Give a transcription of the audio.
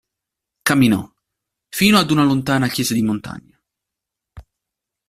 Camminò, fino ad una lontana chiesa di montagna.